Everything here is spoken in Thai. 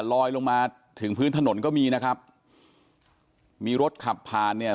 ลอยลงมาถึงพื้นถนนก็มีนะครับมีรถขับผ่านเนี่ย